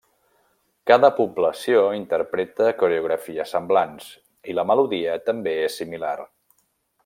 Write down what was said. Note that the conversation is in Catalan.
Cada població interpreta coreografies semblants i la melodia també és similar.